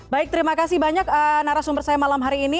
baik terima kasih banyak narasumber saya malam hari ini